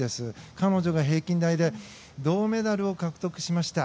彼女が平均台で銅メダルを獲得しました。